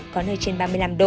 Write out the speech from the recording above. có nơi trên ba mươi năm độ